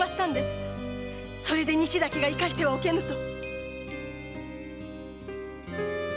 それで西崎が生かしてはおけぬと。